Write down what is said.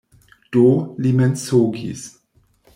Do, li mensogis.